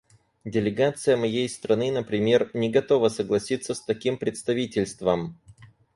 Делегация моей страны, например, не готова согласиться с таким представительством.